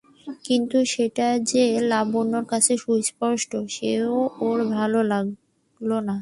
কিন্তু সেইটে যে লাবণ্যর কাছে সুস্পষ্ট সেও ওর ভালো লাগল না।